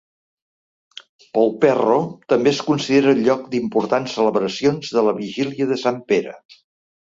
Polperro també es considera el lloc d'importants celebracions de la vigília de Sant Pere.